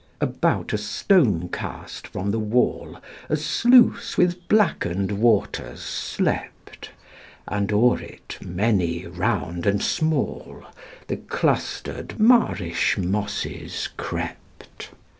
About a stone cast from the wall A sluice with blacken'd waters slept, And o'er it many, round and small, The cluster'd marish mosses crept.